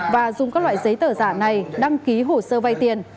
và dùng các loại giấy tờ giả này đăng ký hồ sơ vay tiền